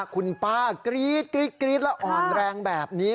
คุณป้ากรี๊ดกรี๊ดแล้วอ่อนแรงแบบนี้